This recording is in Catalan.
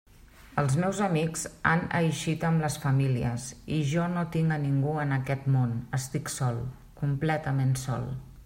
Els meus amics han eixit amb les famílies, i jo no tinc a ningú en aquest món; estic sol..., completament sol.